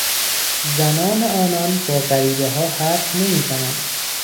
زنان آنان با غریبهها حرف نمیزنند.